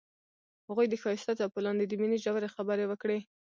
هغوی د ښایسته څپو لاندې د مینې ژورې خبرې وکړې.